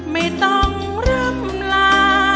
ไม่ต้องร่ำลา